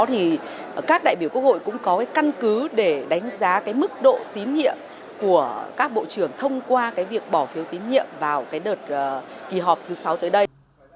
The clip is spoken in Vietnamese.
thì các đại biểu quốc hội cũng có cái căn cứ để đánh giá cái mức độ tín nhiệm của các bộ trưởng thông qua cái việc bỏ phiếu tín nhiệm vào cái đợt kỳ họp thứ sáu tới đây